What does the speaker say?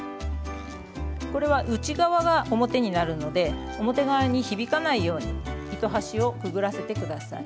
これは内側が表になるので表側に響かないように糸端をくぐらせて下さい。